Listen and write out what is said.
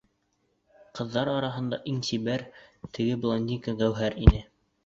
Ҡыҙҙар араһында иң сибәр, теге блондинка Гәүһәр ине.